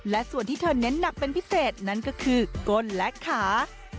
และส่วนที่เธอเน้นหนักเป็นพิเศษนั่นก็คือก้นและขา